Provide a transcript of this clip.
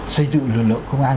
xây dựng lực lượng công an